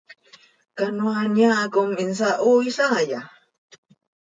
¿Canoaa nyaa com insahooil haaya?